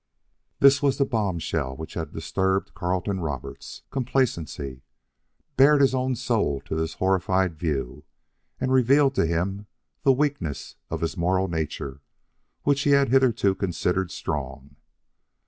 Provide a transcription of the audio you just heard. This was the bombshell which had disturbed Carleton Roberts' complacency, bared his own soul to his horrified view, and revealed to him the weakness of his moral nature which he had hitherto considered strong.